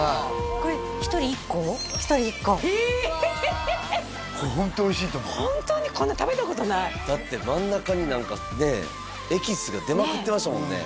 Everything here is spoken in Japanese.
これホントおいしいと思うホントにこんなの食べたことないだって真ん中に何かねエキスが出まくってましたもんね